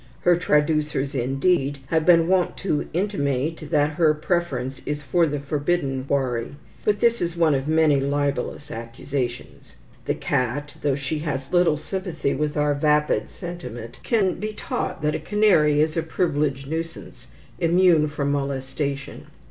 Her traducers, indeed, have been wont to intimate that her preference is for the forbidden quarry; but this is one of many libellous accusations. The cat, though she has little sympathy with our vapid sentiment, can be taught that a canary is a privileged nuisance, immune from molestation.